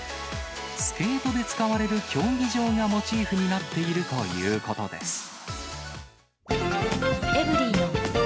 スケートで使われる競技場がモチーフになっているということです。